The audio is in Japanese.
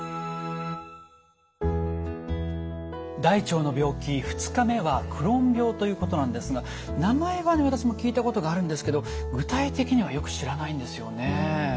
大腸の病気２日目はクローン病ということなんですが名前は私も聞いたことがあるんですけど具体的にはよく知らないんですよね。